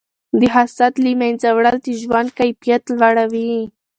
د حسد له منځه وړل د ژوند کیفیت لوړوي.